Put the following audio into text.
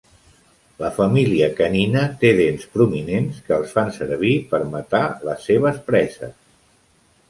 La família canina té dents prominents, que els fan servir per matar les seves preses.